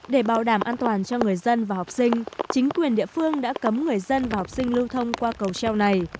để bảo đảm an toàn cho người dân và học sinh chính quyền địa phương đã cấm người dân và học sinh lưu thông qua cầu treo này